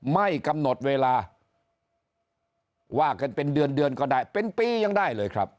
ไม่กำหนดเวลาว่ากันเป็นเดือนเดือนก็ได้เป็นปียังได้เลยครับ